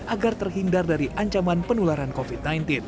agar terhindar dari ancaman penularan covid sembilan belas